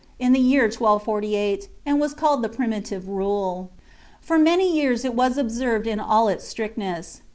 in the year 1248, and was called the " Primitive Rule." For many years it was observed in all its strictness.